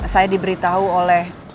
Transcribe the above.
saya diberitahu oleh